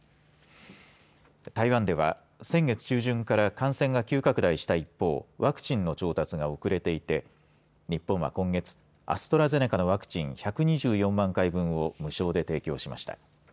台湾では先月中旬から感染が急拡大した一方ワクチンの調達が遅れていて日本は今月、アストラゼネカのワクチン１２４万回分を無償で提供しました。